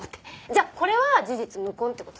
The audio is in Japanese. じゃあこれは事実無根って事で。